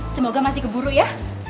semoga masih keburu ya